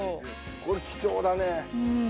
これ貴重だねうん